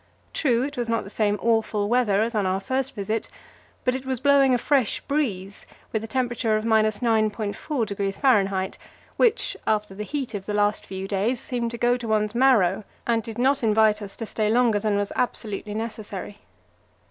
True, it was not the same awful weather as on our first visit, but it was blowing a fresh breeze with a temperature of 9.4° F., which, after the heat of the last few days, seemed to go to one's marrow, and did not invite us to stay longer than was absolutely necessary.